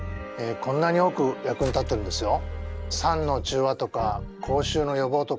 こんなに多く役に立ってるんですよ。